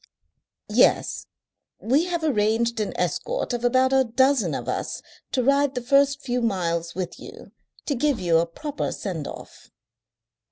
"Yes. We have arranged an escort of about a dozen of us to ride the first few miles with you, to give you a proper send off."